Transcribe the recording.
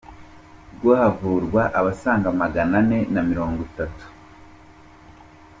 bwo havurwa abasaga magana ane na mirongo itatu